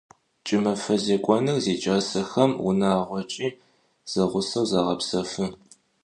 Ç'ımefe zêk'onır ziç'asexem vunağoç'i zeğuseu zağepsefı.